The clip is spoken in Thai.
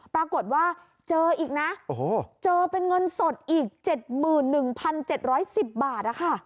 ปรากฏว่าเจออีกนะเจอเป็นเงินสดอีก๗๑๗๑๐บาท